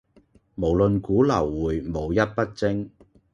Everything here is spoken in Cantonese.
無論股樓匯無一不精